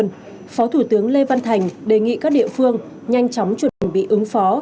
nhưng phó thủ tướng lê văn thành đề nghị các địa phương nhanh chóng chuẩn bị ứng phó